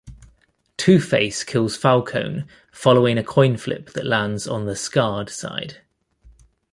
Two-Face kills Falcone following a coin flip that lands on the scarred side.